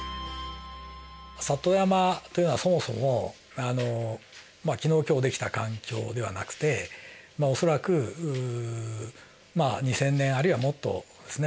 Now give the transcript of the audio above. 里山というのはそもそも昨日今日出来た環境ではなくて恐らく２，０００年あるいはもっとですね。